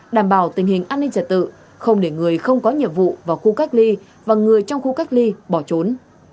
đảm bảo tình hình an ninh trật tự không để người không có nhiệm vụ vào khu cách ly và người trong khu cách ly bỏ trốn